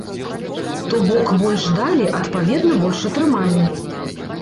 То бок, больш далі, адпаведна, больш атрымалі.